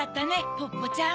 ポッポちゃん。